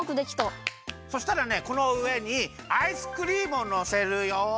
そしたらねこのうえにアイスクリームをのせるよ。